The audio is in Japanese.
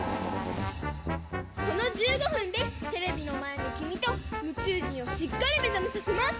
この１５ふんでテレビのまえのきみとむちゅう人をしっかりめざめさせます！